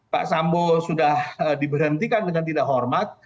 pak sambo sudah diberhentikan dengan tidak hormat